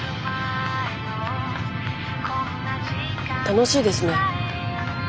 楽しいですねえ。